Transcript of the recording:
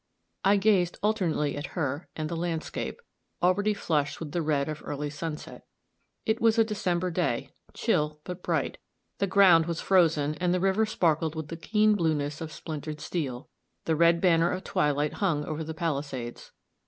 I gazed alternately at her and the landscape, already flushed with the red of early sunset. It was a December day, chill but bright; the ground was frozen, and the river sparkled with the keen blueness of splintered steel. The red banner of twilight hung over the Palisades.